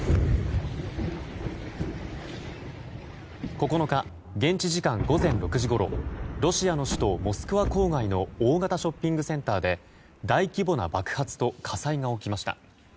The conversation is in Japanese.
９日現地時間午前６時ごろロシアの首都モスクワ郊外の大型ショッピングセンターで大規模な爆発と火災が起きました。